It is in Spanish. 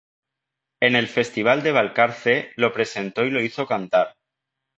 En el festival de Balcarce lo presentó y lo hizo cantar.